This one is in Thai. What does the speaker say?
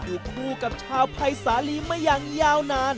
อยู่คู่กับชาวภัยสาลีมาอย่างยาวนาน